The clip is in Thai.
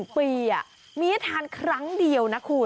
ปีนี้ทานครั้งเดียวนะคุณ